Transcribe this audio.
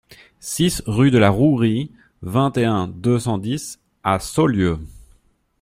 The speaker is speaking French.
six rue de la Rouerie, vingt et un, deux cent dix à Saulieu